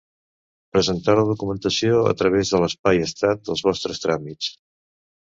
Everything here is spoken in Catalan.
Presentar la documentació a través de l'espai Estat dels vostres tràmits.